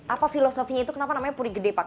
apa filosofinya itu kenapa namanya puri gede pak